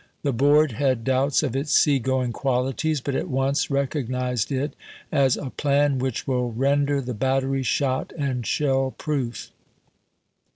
The board had doubts of its sea going qualities, but at once recog nized it as " a plan which will render the battery shot and shell proof."